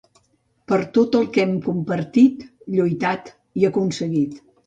Per tot el que hem compartit, lluitat i aconseguit.